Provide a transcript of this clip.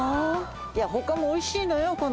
いや他もおいしいのよ。